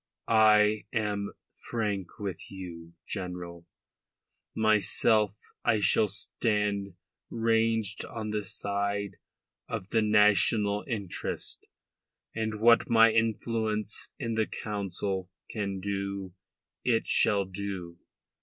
I am frank with you, General. Myself I shall stand ranged on the side of the national interest, and what my influence in the Council can do it shall do.